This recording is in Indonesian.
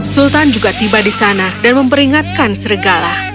sultan juga tiba di sana dan memperingatkan serigala